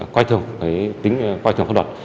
quay thường pháp luật